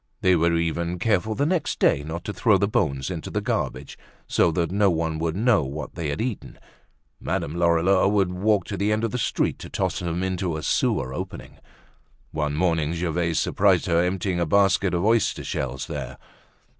They were even careful the next day not to throw the bones into the garbage so that no one would know what they had eaten. Madame Lorilleux would walk to the end of the street to toss them into a sewer opening. One morning Gervaise surprised her emptying a basket of oyster shells there.